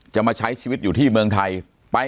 มาใช้ชีวิตอยู่ที่เมืองไทย